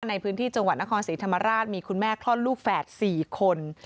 ในพื้นที่จังหวัดนครศรีธรรมราชมีคุณแม่คลอดลูกแฝด๔คน